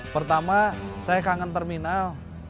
pertama saya kangen terminal